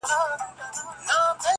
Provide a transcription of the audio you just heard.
• پر جبين باندې لښکري پيدا کيږي.